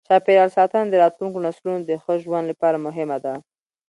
چاپېریال ساتنه د راتلونکو نسلونو د ښه ژوند لپاره مهمه ده.